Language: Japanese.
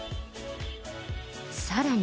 さらに。